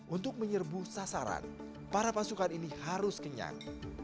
untuk menyerbu sasaran para pasukan ini harus kenyang